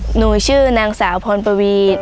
หนูชื่อนางสาวพรปวี